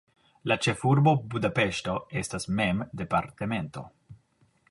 La ĉefurbo Budapeŝto estas mem departemento.